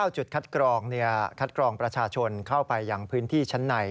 จุดคัดกรองคัดกรองประชาชนเข้าไปยังพื้นที่ชั้นใน